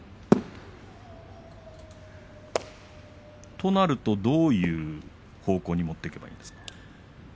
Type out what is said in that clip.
となると、どういう方向に持っていけばいいですか。